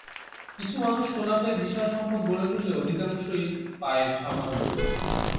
কিছু মানুষ সোনা পেয়ে বিশাল সম্পদ গড়ে তুললেও অধিকাংশ পায় সামান্যই।